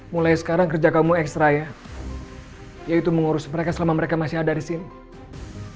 mulai sekarang kerja kamu ekstra ya yaitu mengurus mereka selama mereka masih ada di sini